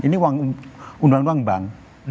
ini undang undang bank